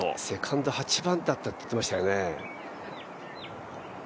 セカンド８番だったって言ってましたよね。